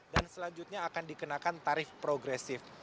dan selanjutnya akan dikenakan tarif progresif